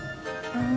うん。